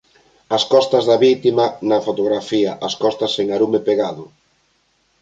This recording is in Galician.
As costas da vítima na fotografía… As costas sen arume pegado…